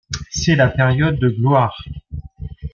C'est la période de gloire.